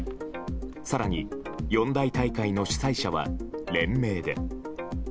更に、四大大会の主催者は連名で。